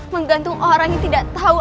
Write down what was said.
menggantung orang yang tidak tahu